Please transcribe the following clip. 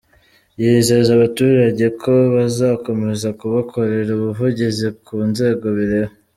Yizeza abaturage ko bazakomeza kubakorera ubuvugizi ku nzego bireba.